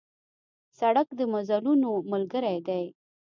سړک د مزلونو ملګری دی.